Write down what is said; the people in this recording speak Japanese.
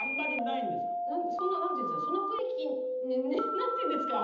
何ていうんですかね？